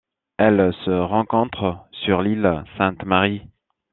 Elle se rencontre sur l'île Sainte-Marie.